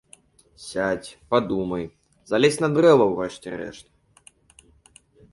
Сядзь, падумай, залезь на дрэва ў рэшце рэшт.